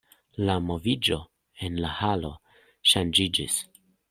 La moviĝo en la halo ŝanĝiĝis.